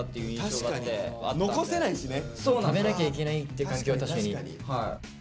食べなきゃいけないって環境は確かに。